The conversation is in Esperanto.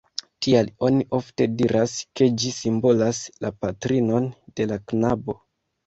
Tial oni ofte diras, ke ĝi simbolas la patrinon de la knabo.